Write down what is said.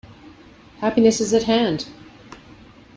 Happiness is at hand!